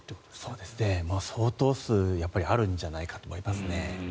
やっぱり相当数あるんじゃないかと思いますね。